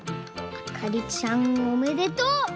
あかりちゃんおめでとう！